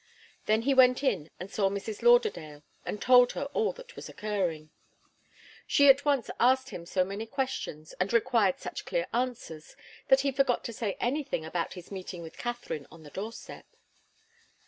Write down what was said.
Then he went in and saw Mrs. Lauderdale, and told her all that was occurring. She at once asked him so many questions and required such clear answers, that he forgot to say anything about his meeting with Katharine on the doorstep.